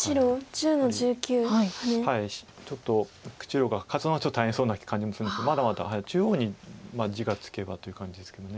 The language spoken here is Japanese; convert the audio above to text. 白が勝つのはちょっと大変そうな感じもするんですけどまだまだ中央に地がつけばという感じですけど。